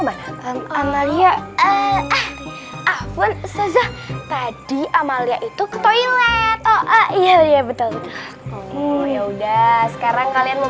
amalia eh ah pun sejah tadi amalia itu ke toilet oh iya betul betul oh ya udah sekarang kalian mau